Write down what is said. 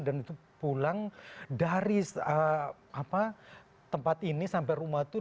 dan itu pulang dari tempat ini sampai rumah itu